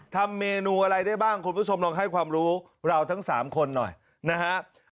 ทำเมนูอะไรได้บ้างคุณผู้ชมลองให้ความรู้เราทั้ง๓คนหน่อยนะฮะ